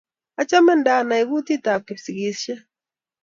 Achome ndanai kutit ab Kipsigishiek